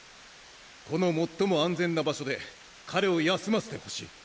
この最も安全な場所で彼を休ませてほしい！